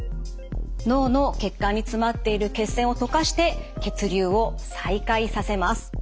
脳の血管に詰まっている血栓を溶かして血流を再開させます。